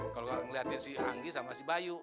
kalau ngeliatin si anggi sama si bayu